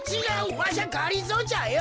わしゃがりぞーじゃよ。